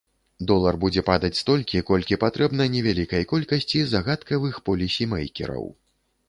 Долар будзе падаць столькі, колькі патрэбна невялікай колькасці загадкавых полісімэйкераў.